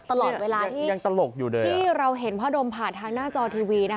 ตลอดเวลาที่เราเห็นพ่อดมผ่านทางหน้าจอทีวี